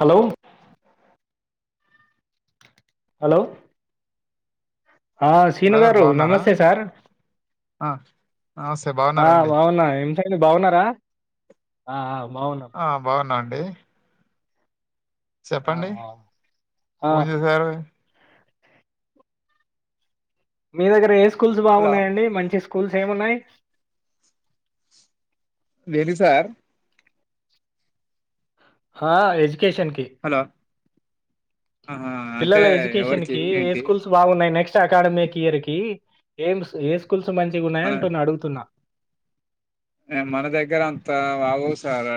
Hello hello ఆ Srinu brother గారు బాగున్నారా నమస్తే సార్ ఆ నమస్తే ఆ బాగున్నారా అండి బావున్న ఏం ఏవండీ బాగున్నారా ఆ ఆ బాగున్నాం ఆ బాగున్నం అండి థె ఆ చెప్పండి ఆ ఆ, ఫోన్ చేసారు మీదగర ఏసు స్కూల్స్ హలో బాగున్నాయండి మంచి స్కూల్ ఏమున్నాయి వెలు సార్ హా ఎజ్ వేకేషన్ కి హలో ఆహా అంటే పిల్లల ఎడ్యుకేషన్ ఎవరికి కి ఏ ఏంటి స్కూల్స్ బాగున్నాయి నెక్స్ట్ అకాడమీకి ఇయర్కి ఏమ్స్ ఏస్ కూల్స్ మంచిగ ఉన్నాయ మన అంటూన అడుగుతున్న మన దగ్గర అంత [unintelligible] సార్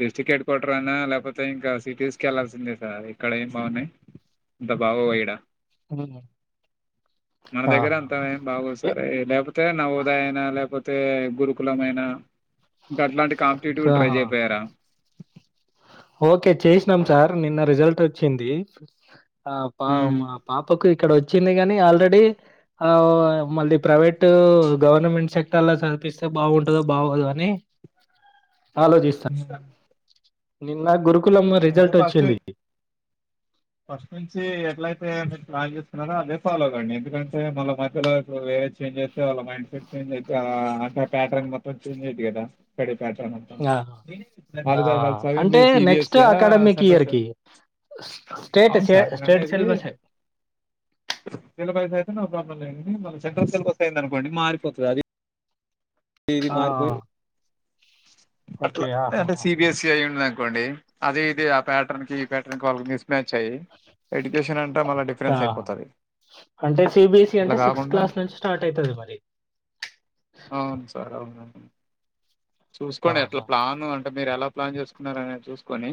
డిస్ట్రిక్ హెడ్ క్వార్టర్ అయినా లేకపోతే ఇంకా సిటీస్ కెళ్లాల్సిందే సార్ ఇక్కడ ఏం బాగున్నాయి అంత బాగోవు ఇడ అ మన దగ్గర అంత ఏం బాగోదు సార్ లేకపోతే నావోదయయినా లేకపోతే తే గురుకులమైన ఇంక అట్లాంటి కాంపిటేటివ్ ట్రై చేపోయారా ఒకే చేసినాం సార్ నిన్న రిజల్ట్ వచ్చింది ఆ పా ఉమ్. మా పాపకి ఇక్కడ వచ్చింది గని ఆల్రెడీ ఆ మళ్ళీ ప్రైవేటు గవర్నమెంట్ సెక్టర్లా చదిపిస్తే బాగుంటదో బాగోధో అని ఆలోచిస్త నిన్న గురు కులంలో అయితే రిజల్ట్ ఫస్ట్ వచ్చింది ఫస్ట్ నుంచి ఎట్లయితే మీరు ప్లాన్ చేస్తుకున్నారో అదే ఫాలో కండి ఎందుకంటే మళ్ళ మధ్యలో వేరే చేంజ్ అయితే వాళ్ళ మైండ్ సెట్ చేంజ్ అయి అంటే ప్యాటర్న్ మొత్తం చేంజ్ ఐద్ధి కదా పాటర్న్ మొత్తం ఆ ఆ వాళ్ళు చదివింది అంటే నెక్స్ట్ సీబిఎస్సీ ఆ అకాడమిక్ ఇయర్ సెంటర్స్ కి ఆ స్టేట్ అవును సార్ నేను స్టేట్ అనేది సిలబస్ సిలబ అయితే నో ప్రాబ్లం లెండి మళ్ళ సెంట్రల్ సిలబస్ అయింది అనుకోండి మారిపోతది అది ఇది ఆ మారిపోయి అట్ల ఓకే అంటే ఆహాహా సీబీఎస్సీ అయ నా కోండి అది ఇది ఆ ప్యాటర్న్ కి ఈ ప్యాటర్న్ కి వాళ్లకి మిస్ మ్యాచ్ అయ్యి ఎడ్యుకేషన్ అంటే మళ్ళ ఆ డిఫరెన్స్ అయిపోతుంది అంటే సిబిఎస్ఈ అట్ల అంటే సిక్స్త్ కాకుండ క్లాస్ నుంచి స్టార్ట్ అయితది మరి అవును సార్ అవును చూసుకోండి ఎట్ల ఆహా ప్లాన్ అంటే మీరు ఎలా ప్లాన్ చేసుకున్నారనిది చూసుకొని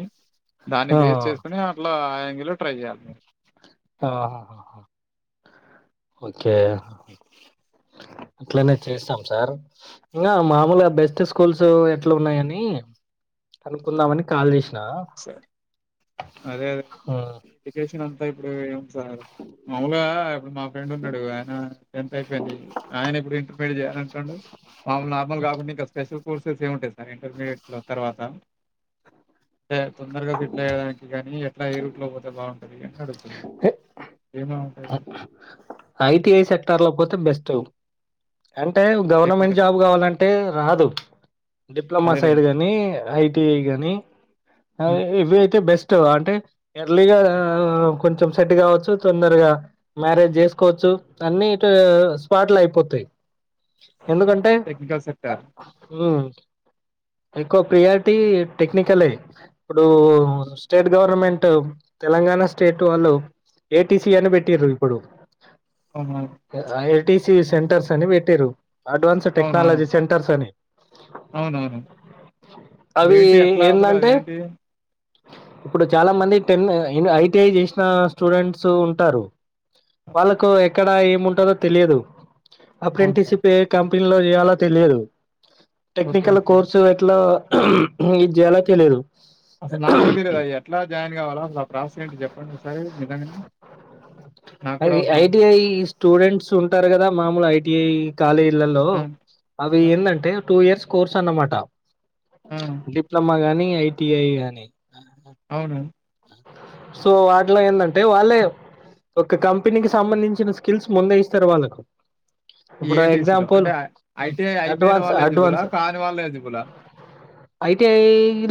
దాన్ని ఆ బేస్ చేసుకుని అట్ల ఆ ఇందులో ట్రై చేయాలి మీరు ఆహా హా హా ఒకే అట్లనే చేస్తాం సార్ ఇంకా మామూలుగా బెస్ట్ స్కూల్స్ ఎట్ల ఉన్నాయని కనుకుందామని కాల్ చేసి అదే అదే ఉమ్. ఎడ్యుకషన్ ఇప్పుడే మాములుగా ఇప్పుడు మా ఫ్రెండ్ ఉన్నాడు ఆయన టెన్త్ అయిపోయింది ఆయన ఇప్పుడు ఇంట [unintelligible] నార్మల్ కాకుండా ఇంకా స్పెషల్ కోర్సెస్ ఏ ఉంటాయి సార్ ఇంటర్మీడియట్ లో తర్వాత టె తొందరగ సెటేల్ అయ్యే దానికి కానీ ఎట్ల ఏ రూట్ లో పోతే బాగు నడుస్తున్నడు ఏమో ఐటిఐ సెక్టర్ లో పోతే బెస్ టూ అంటే గవర్నమెంట్ టెక్నికల్ జాబ్ కావాలంటే రాదు డిప్లొమా సైడ్ అదేలెండి. గాని ఐటీఐ అనీ ఆ! ఇవి అయితే బెస్ట్ అంటె ఎర్లీగా కొంచెం సెట్ కావచ్చు తొందరగా మ్యారేజ్ చేసుకోవచ్చు అన్ని ఇటు స్పాట్ లో అయిపోతయ్ ఎందుకంటే టెక్నికల్ సెక్టార్. ఊ ఇంకో ప్రియారిటీ టెక్నికల్ ఏ డు స్టేట్ గవర్నమెంట్ తెలంగాణ స్టేట్ వాళ్ళు ఏటీసీ అని పెట్ టిర్రు ఇప్పుడు అవునవును. ఏటీస్ సెంటర్స్ అని పెట్టిర్రు అడ్వాన్స్ అవునవును. టెక్నాలజీ సెంటర్స్ అని అవునవును. అవి అవేంటి ఎట్లా అసలు ఏందంటే అదేంటి? ఇప్పుడు చాలా మంది టెన్ ఐటిఐ చేసిన స్టూడెంట్స్ ఉంటారు ఆ! వాళ్ళకు ఎక్కడ ఏముం దో తెలియదు అవును అప్రెంటిస్ సార్. ఇప్పుడు ఏ కంపె లో చేయాలొ తెలియదు ఓకే. Technical okay. కోర్సు ఎట్లా ఏద్ చేయాలో తెలియదు అస్సలు నాకు కూడా తెలియదు ఎట్లా జాయిన్ కావాలా? అసలు ఆ ప్రాసెస్ ఏంటి చెప్పండి ఒకసారి నిజంగానే? నాకు కూడా అది అవసరం ఉంది. ఐటిఐ స్టూడెంట్స్ ఉంటారు కదా మామూలు ఐటిఐ కాలేజీలల్లో ఆ! అవి ఆ! ఎందంటే టూ ఇయర్స్ కోర్స్ అన్నమాట ఆ! డిప్లొమా గాని ఐటిఐ కానీ అవున సో వాటిలో ఎందంటే వాళ్ళే ఒక కంపెనీకి సంబంధించిన స్కిల్స్ ముందే ఇస్తారు వాళ్ళకు ఇప్పుడు ఏటీసీ లో ఎగ్జాంపుల్ అంటే ఐటీఐ అయిపోయిన అడ్వాన్స్ వాళ్ళు ఎలిజిబుల అడ్వాన్స్ కాని వాళ్ళ ఎలిజిబుల ఐటిఐ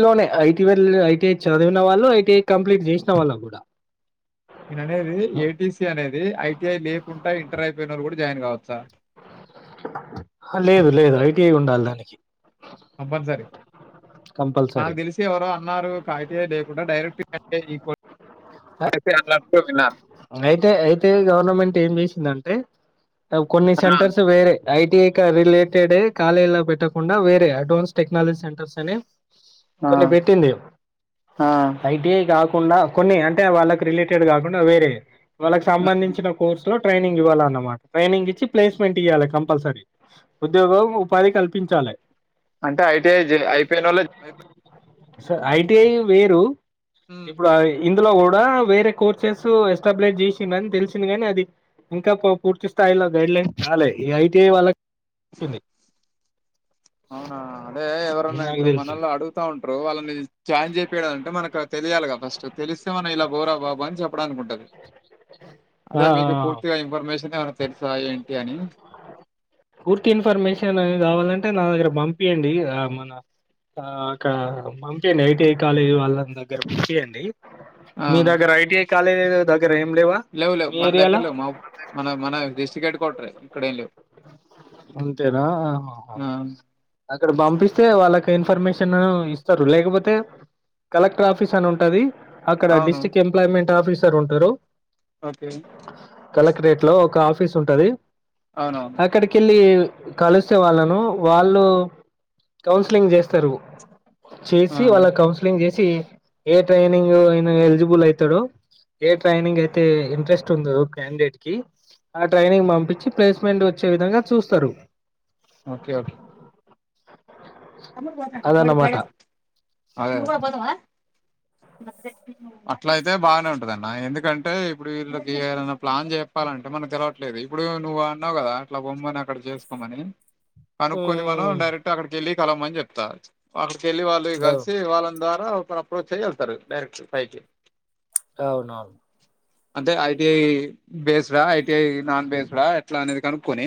లోనే ఐటీ ఐటీఐ చదివిన వాళ్ళు ఐటిఐ కంప్లీట్ చేసినా వాళ్లకు కూడా నేన అనేది ఏటీసీ అనేది ఐటిఐ లేకుండా ఇంటర్ అయి రు కూడా జాయిన్ కావచ్చా లేదు లేదు ఐటిఐ ఉండాలి దానికి కంపల్సరీ కంపల్సరీ నాకు తెలిసి ఎవరో అన్నారు కాయితేయ లేకుండా డైరెక్ట్ అట్ వి అయితే అయితే గవర్నమెంట్ ఏం చేసిందంటే కొన్ని సెంటర్స్ వేరే ఐటి రిలేటెడ్ కాలేజ లో పెట్టకుండా వేరే అడ్వాన్స్ టెక్నాలజీ సెంటర్స్ అని ఆ! కొన్ని పెట్టింది ఆ! ఐటి కా కుండా కొన్ని అంటే వాళ్ళకి రిలేటెడ్ కాకుండా వేరే వాళ్ళకి హ్మ్. సంబంధించిన కోర్సు లో ట్రైనింగ్ ఇవ్వాలన్నమాట ట్రైనింగ్ ఇచ్చి ప్లేస్ స్మెంట్ ఇయ్యాలె కంపల్సరీ ఉద్యోగం ఉపాధి కల్పించాలి అంటే ఐటీఐ జే అయిపోయినోళ్ళే స ఐటిఐ వేరు హ్మ్ ఇప్పుడు ఆయి ఇందులో కూడా వేరే కోర్సెస్ ఎస్టాబ్లిష్ చేసిందిని తెలిసింది కాని అది ఇంకా పూర్తి స్థాయిలో గైడ్ లైన్ చాలే ఈ ఐటిఐ వాళ్ళకింది అవునా అదే ఎవరన్నా ఇప్పుడు తెలిసి మనల్లో అడుగుతా ఉంటారు వాళ్ళని జాయిన్ చేపియాలంటే మనకు ఆ తెలియాలిగా ఫస్ట్ తెలిస్తే మన ఇలా పోరా బాబు అని చెప్ప అనుకుంటది అదే మీకు ఆ పూర్తిగా ఇన్ఫర్మేషన్ తెరుసా ఏంటి అని పూర్తి ఇన్ఫర్మేషన్ కావాలంటే నా దగ్గర పంపీయండి మన ఆ ఒక పంపియండి ఐటిఐ కాలేజీ వాళ్ళ దగ్గర పంపియండి ఆ మీ దగ్గర ఐటీఐ కాలేజీ దగ్గర ఏం లేవా లేవు లేవు మీ మన దగ్గర ఏరియాలో లేవు మా మన మన డిస్ట్రిక్ట్ హెడ్ క్వార్టరె ఇక్కడ ఏం లేవు ఉంతేనా ఆ ఆ! అక్కడ పంపిస్తే వాళ్ళకి ఇన్ఫర్మేషన్ ఇస్తారు లేకపోతే కలెక్టర్ ఆఫీస్ అని ఉంటది అక్కడ అవును. డిస్టిక్ ఎంప్లాయమెంట్ ఆఫీస్ సార్ ఉంటారు ఓకే కలెక్టరేట్ లో ఒక ఆఫీస్ ఉంటది అవునవును అక్కడికి కలిస్తే వాళ్ళను వాళ్ళు కౌన్సిలింగ్ చేస్తారు ఆ! చేసి వాళ్ళ కౌన్సిలింగ్ చేసి ఏ ట్రైనింగ్ ఈయన ఎలిజిబుల్ అయితాడు ఏ ట్రైనింగ్ అయితే ఇంట్రెస్ట్ ఉందదో క్యాండేట్ కి ఆ ట్రైనింగ్ పంపించి ప్లేస్మెంట్ వచ్చే విధంగా చూస్తారు ఓకే తమ్ముడు ఫోన్ చేస్తాడు. వాడు అదన్నమాట బ్యాలేన్స్ ఇప్పుడు కూడ పోతవా అట్ల అయితే బాగానే ఉంటద అన్న ఎందుకంటే ఇప్పుడు వీళ్ళకి ఎదన్నా ప్లాన్ చెప్పాలంటే మనం తెలవట్లేదు ఇప్పుడు నువ్వు అన్నావు కదా అట్లా పొమ్మని అక్కడ చేసుకోమని కనుక్కొని మనం ఉమ్ డైరెట్క్ అక్కడికి వెళ్లి కలం మని చెప్తా పాలు చెల్లి వాళ్ళు కలిసి వాళ్ళంద అ అప్పుడు అప్పుడు వచ్చి వెళ్తారు డైరక్ట్ పైకి అవును అవును అంటే ఐటిఐ బేస్డా ఐటిఐ నాన్ బేస్డ్ ఎట్లా అనేది కనుక్కోని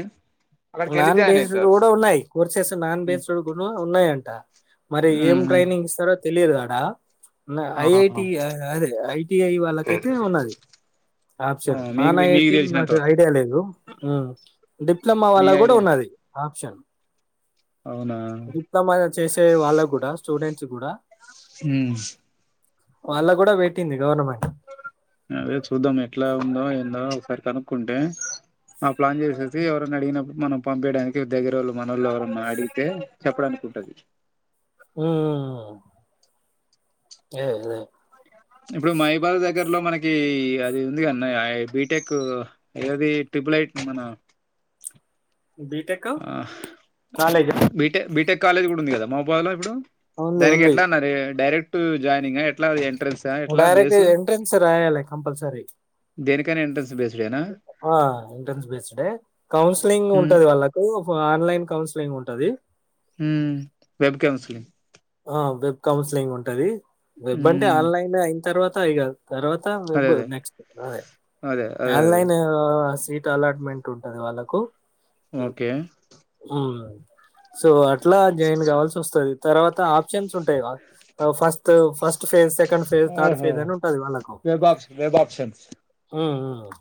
నాన్ బెస్ కూడా ఉన్నాయి కోర్సెస్ నాన్ బెసేస్ కూడా ఉన్నాయంట మరి ఏం మ్మ్ ట్రైనింగ్ ఇస్తారో తెలియదు గడా ఆ ఐఐటి అదే ఐటిఐ వాళ్ళకైతే ఉన్నది ఆ ఆప్షన్ మీకు నాన్ మీకు ఐఐటి తెలిసినంత నాకు వరకు ఐడియా లేదు డిప్లమ్ మీ వాళ్ళ కూడా ఐడియా ఉన్నది అప్ప ఆప్షన్ అవునా డిప్లొమా చేసే వాళ్ళకు కూడా స్టూడెంట్స్ చు కూడా హ్మ్మ్ వాళ్ల కూడా పెట్టింది గవర్నమెంట్ అదే చూద్దాం ఎట్లా ఉందో ఏందో ఒకసారి కనుక్కుంటే ప్లాన్ చేసేసి ఎవరైనా అడిగినప్పుడు మనం పంపియిడానికి దగ్గర వాళ్ళు మనల్లో ఎవరన్నా అడిగితే చెప్పడానికి ఉంటది ఉమ్మ్ ఆదే అదే ఇప్పుడు మహిబాబ దగ్గరలో మనకి అది ఉంది కన్న బీటెక్ ఏది ట్రిపుల్ ఐటీ మన బీటెక్ ఆ కాలేజా బీటె బీటెక్ కాలేజ్ కూడా ఉంది కదా మోబలో ఇప్పుడు ఉంది దానికి ఉంది ఎట్లా అన్నారు డైరెక్ట్ టు జాయినింగ్ ఎట్లా ఎంట్రన్సా ఎట్లా డైరెక్ట్ బేసు ఎంట్రెన్స్ రాయలి కంపల్సరీ కేన ఎంట్రన్స్ట్ బేస్ ఆ ఎంట్రన్స్ బేస్ డే కౌన్సిలింగ్ హ్మ్, ఉంటది వాళ్ళ క్ ఓ ఆన్లైన్ కౌన్సిలింగ్ ఉంటది ఉ వేబ్కన్సలి ఆ వెబ్ కౌన్సిలింగ్ ఉంటది వెబ్ అంటే హ్మ్. ఆన్లైన్ అయి తర్వాత ఆయిగాద్ తర్వాత అదే వెబ్ అదే నెక్స్ట్ అదే అదే అదే అదే ఆన్లైన్ సీట్ అలాట్మెంట్ ఉంటది వాళ్ళకు ఓకే ఉం సో ఎట్లా జాయిన్ కావాల్సి వస్తది తర్వా త ఆప్షన్స్ ఉంటాయి రా first first phase second phase third ఓహో ఫేజ్ అని ఉంటది వాళ్ళకు వెబ్ ఆప్షన్ వెబ్ ఉం ఉం ఆ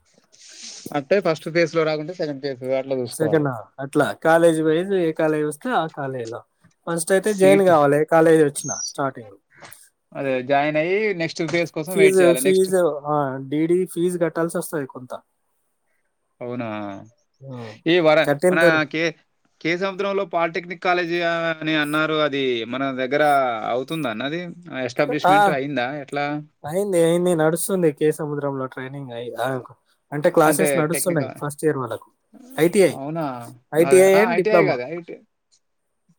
అట్టె ఫస్ట్ ఫేజ్ లో రాకుంటే సెకండ్ ఫేజ్ అట్లా చూసుకోవాలి సెకండ్ హఫ్ అట్లా కాలేజ్ పోయి ఎ కాలేజ్ వస్తే ఆ కాలేజ్ లా ఫస్ట్ అయితే జాయిన్ సీట్ కావాలి ఎ కాలేజీ వచ్చిన స్టార్టింగ్ అదే జాయిన్ అయ్యి నెక్స్ట్ ఫేజ్ కోసం వెయిట్ ఫీజ్ చేయాలి నెక్స్ట్ ఫీజ డీడీ ఫీస్ కట్ ట్టల్ సస్తాది కొంత అవునా ఉమ్. ఈ వర కట్టిన మన తర్వాత కే కే సముద్రంలో పాలిటెక్నిక్ కాలేజ్ ది అని అన్నారు అది మన దగ్గర అవుతుంద అన్న అది ఆ అయింది అయింది నడుస్తుంది కేసముద్ర డబ్బులు కట్ ట్రైనింగ్ అ అంటే క్లాసెస్ నడుస్తున్నాయి ఫస్ట్ ఇయర్ వాళ్ళకు ఐటిఐ అవునా అదే ఐటిఐ అండ్ ఐటిఐ డిప్లొమా కాదే ఐ టీ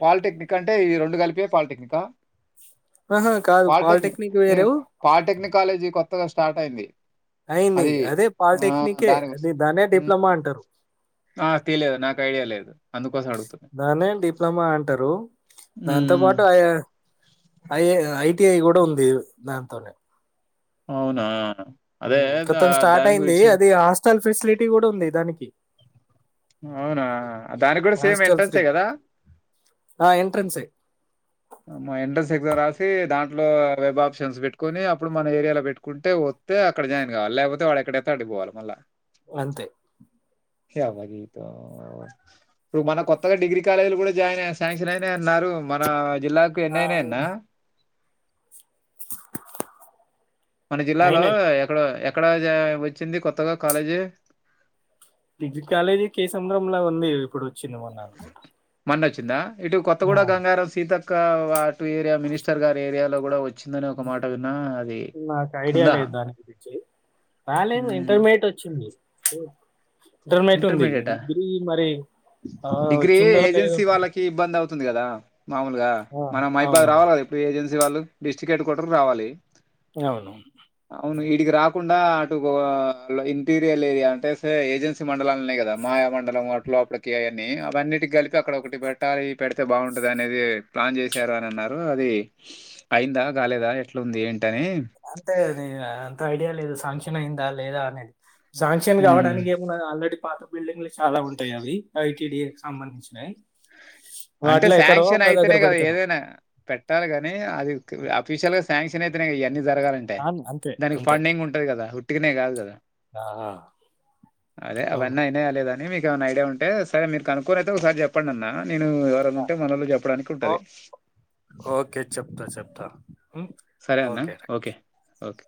పాలిటెక్నిక్ అంటే ఈ రెండు కలిపి పాలిెక్నిక్ ఆ ఆహా! కాదు. పాలిటెక్నిక్ నిన్ వేరు. పాలిటెక్నిక్ కాలేజీ కొ కొత్తగా స్టార్ట్ అయింది అయింది అది అదే ఆ పాలిటెక్నికే దాని గురించి అది దాన్నే ఉమ్. డిప్లొమా అంటరు ఆ, తెలియదు నాకు ఐడియా లేదు అందుకోసం అడుగుతున్నా దాన్నే డిప్లొమా అంటరు దాంతో ఉమ్. పాటు ఐఐఏ ఐటిఐ కూడా ఉంది దాంతోనే అవునా అదే దా కతం స్టార్ట్ దాని అయింది గురించి అది హాస్టల్ ఫెసిలిటీ కూడా ఉంది దానికి అవునా దానికి కూడా సేమ్ హాస్టల్ ఫ్రీ. ఎంట్రెన్సే కదా ఆ! ఎంట్రన్సే మా ఎంట్రన్స్ ఎగ్జామ్ రాసి దాంట్లో వెబ్ ఆప్షన్స్ పెట్టుకొని అప్పుడు మన ఏరియాలో పెట్టుకుంటే వస్తే అక్కడ జాయిన్ కావాలి లేకపోతే వాడు ఎక్కడేతే ఆడికిపోవాలి మళ్ళ అంతే ఇప్పుడు మన కొత్తగా డిగ్రీ కాలేజీలు కూడా జాయిన్ శాంక్షన్ అయినయి అన్నారు మన జిల్లాకు ఆ! ఎన్నైనయన్న అయింది. మన జిల్లాలో అయినాయి. ఎక్కడో ఎ ఎక్కడ వచ్చింది కొత్తగా కాలేజీ డిగ్రీ కాలేజీ కేసముంద్రం ల ఉంది ఇప్పుడు [unintelligible] అనుకుంటా మొన్నొచ్చిందా ఇటు ఆ! కొత్తగూడ గంగారం సీత కా అటు ఏరియా మినిస్టర్ గారి ఏరియాలో కూడా వ వచ్చిందనే ఒక మాట విన్నా అది నాకు ఐడియా ఉందా లేదు దాని గురించి. రాలేదు మ్మ్ ఇంటర్మీడియట్ వచ్చింది ఓ ఇంటర్మీడియట్ ఉంది ఇగ ఇంటర్మీడియటా డిగ్రీ మరి ఆ వచ్చిందో లేదో తుంది కదా మామూలుగా ఆ! మనం మైబాద్ అవునవును. రావాలి కదా ఇప్పుడు ఏజెన్సీ వాళ్ళు డిస్టిక్ట్ హెడ్ క్వార్టర్ రావాలి అవును అవును ఈడికి రాకుండా అటు ఇంటీరియల్ ఏరియా అంటే ఏజెన్సీ మండలాలున్నాయి కదా మాయా మండలం [unintelligible] అవీ అవన్నిటి కలిపి అక్కడ ఒకటి పెట్టాలి పెడితే బాగుంటది అనేది ప్లాన్ చేశారు అని అన్నారు అది అయిందా కాలేదా ఎట్లుంది ఏంటి [unintelligible] అంత ఐడియా లేదు శాంక్ష నైందా లేదా అనీ శాంక్ష్యన్ మ్మ్ కావడానికి ఏమున్నది ఆల్రెడీ పాత బిల్డింగ్లు చాలా ఉంటాయి అవి ఐటిడికి సంబంధించినవి అంటే శాంక్షన్ అయితేనే కదా పెడతారు. ఏదైనా పెట్టాలి కాని అది అఫీషయల్గా సాంక్షన్ అయితే జరగాలంటే అన్ అంతే. దానికి అంతే. ఫండింగ్ ఉంటది కదా టిగనే కాదు కదా ఆ! ఆ! అదే అవును. అవన్నీ అయినయ లేేదా అని మీ మైన ఐడియా ఉంటే సరే మీరు కనుక్కొని అయితే ఒకసారి చెప్పండన్న ఎవరన్న ఆ! ఉంటే మనోళ్లు చెప్పడానికి ఓ ఉంటది ఓకే. చెప్తా చెప్తా. హ్మ్. సరే అన్న ఓకే. ఓకే